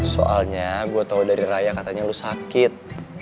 soalnya gue tau dari raya katanya lo sakit